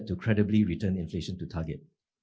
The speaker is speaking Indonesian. untuk mengembangkan inflasi ke target